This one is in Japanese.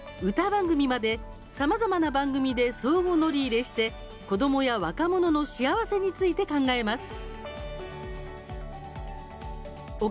番組まで、さまざまな番組で相互乗り入れして子どもや若者の幸せについて考えます。